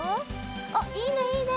あっいいねいいね！